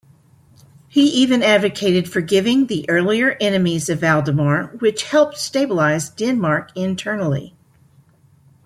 He even advocated forgiving the earlier enemies of Valdemar, which helped stabilize Denmark internally.